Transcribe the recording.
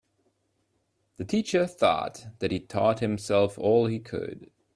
The teacher thought that he'd taught himself all he could.